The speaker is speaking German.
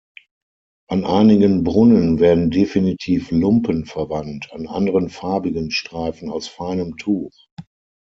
An einigen Brunnen werden definitiv "Lumpen" verwandt, an anderen farbigen Streifen aus feinem Tuch.